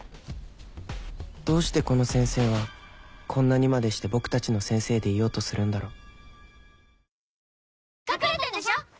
どうしてこの先生はこんなにまでして僕たちの先生でいようとするんだろう？